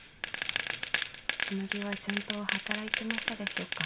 つむぎはちゃんと働いてましたでしょうか？